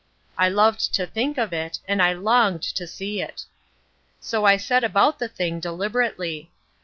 I loved to think of it, and I longed to see it. So I set about the thing deliberately.